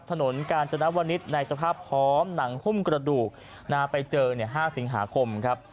ถนนกาลจนวนิตในสภาพพร้อมหนังหุ้มกระดูกนาไปเจอเนี่ยห้าสิงหาคมครับ